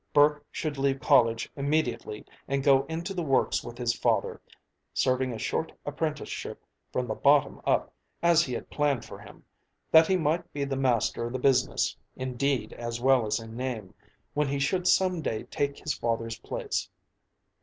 Burke should leave college immediately and go into the Works with his father, serving a short apprenticeship from the bottom up, as had been planned for him, that he might be the master of the business, in deed as well as in name, when he should some day take his father's place.